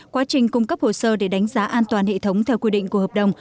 quá trình cung cấp hồ sơ để đánh giá an toàn hệ thống theo quy định của hợp đồng